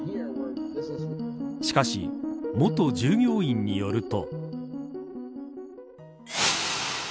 しかし、元従業員によると。